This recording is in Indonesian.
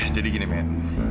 jadi gini men